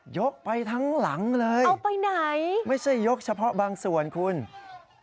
ยกไปทั้งหลังเลยไม่ใช่ยกเฉพาะบางส่วนคุณเอาไปไหน